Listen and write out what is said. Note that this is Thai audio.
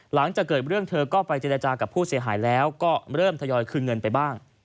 หลังจากเกิดเรื่องเธอก็ไปเจรจากับผู้เสียหายแล้วก็เริ่มทยอยคืนเงินไปบ้าง